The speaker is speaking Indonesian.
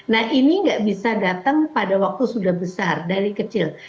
nah ini nggak bisa datang pada waktu sudah besar dari kecil